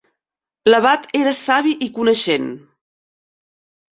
L'abat era savi i coneixent.